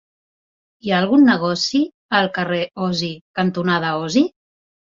Hi ha algun negoci al carrer Osi cantonada Osi?